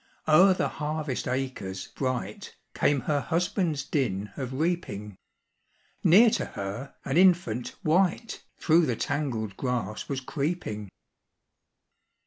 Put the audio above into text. O'er the harvest acres bright, Came her husband's din of reaping; Near to her, an infant wight Through the tangled grass was creeping.